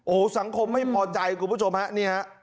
โอ้สังคมไม่ปลอดใจคุณผู้ชมครับ